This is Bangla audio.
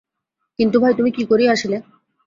কিন্তু ভাই, তুমি কী করিয়া আসিলে।